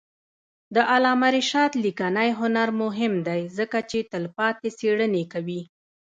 د علامه رشاد لیکنی هنر مهم دی ځکه چې تلپاتې څېړنې کوي.